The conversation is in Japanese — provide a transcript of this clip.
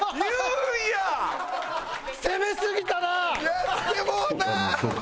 やってもうた！